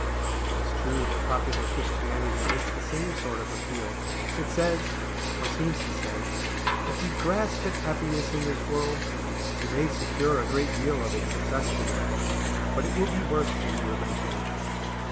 It is true that popular Christianity makes the same sort of appeal. It says, or seems to say, "If you grasp at happiness in this world, you may secure a great deal of it successfully; but it will be worse for you eventually."